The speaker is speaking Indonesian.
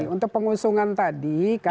untuk pengusungan tadi kan